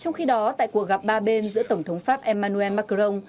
trong khi đó tại cuộc gặp ba bên giữa tổng thống pháp emmanuel macron